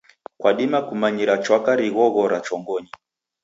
Kwadima kunyamira chwaka righoghora chongonyi.